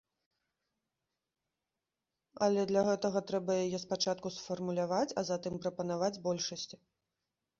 Але для гэтага трэба яе спачатку сфармуляваць, а затым прапанаваць большасці.